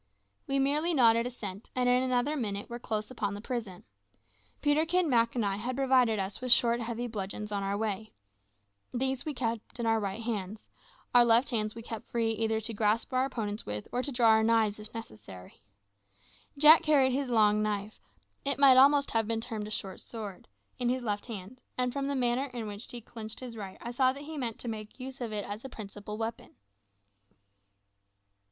We merely nodded assent, and in another minute were close upon the prison. Peterkin, Mak, and I had provided us with short heavy bludgeons on our way. These we held in our right hands; our left hands we kept free either to grasp our opponents with, or to draw our knives if necessary. Jack carried his long knife it might almost have been termed a short sword in his left hand, and from the manner in which he clinched his right I saw that he meant to make use of it as his principal weapon.